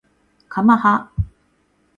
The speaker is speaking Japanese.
かまは